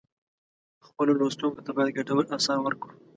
خپلو لوستونکو ته باید ګټور آثار ورکړو.